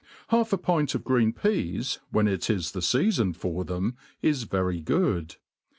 Half a pint of green peas, when it is the feafon for them, is very good.